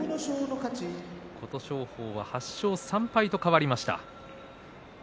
琴勝峰は８勝３敗と変わりました。